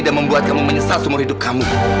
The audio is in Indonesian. dan membuat kamu menyesal seumur hidup kamu